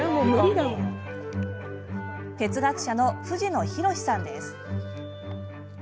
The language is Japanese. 哲学者の藤野寛さんです。